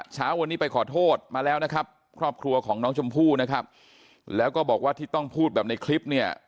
เช้าวันนี้ไปขอโทษมาแล้วนะครับครอบครัวของน้องชมพู่นะครับแล้วก็บอกว่าที่ต้องพูดแบบในคลิปเนี่ย